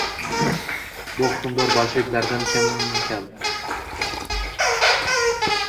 Bu hukmdor bolsheviklardan kim kam?